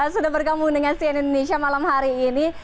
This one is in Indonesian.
sudah berkomunikasi di indonesia malam hari ini